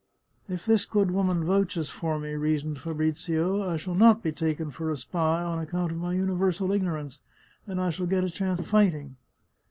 " If this good woman vouches for me," reasoned Fabri zio, " I shall not be taken for a spy on account of my uni versal ignorance, and I shall get a chance of fighting."